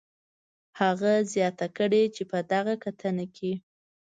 هغه زیاته کړې چې په دغه کتنه کې